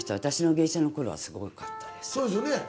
私の芸者のころはすごかったです。